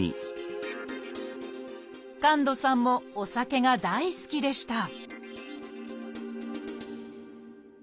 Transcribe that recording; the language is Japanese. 神門さんもお酒が大好きでした